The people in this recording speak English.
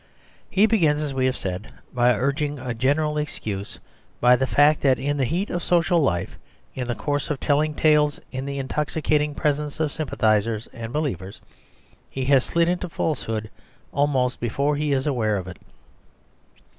He begins, as we have said, by urging a general excuse by the fact that in the heat of social life, in the course of telling tales in the intoxicating presence of sympathisers and believers, he has slid into falsehood almost before he is aware of it.